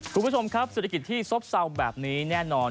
คุณผู้ชมครับเศรษฐกิจที่ซบเศร้าแบบนี้แน่นอน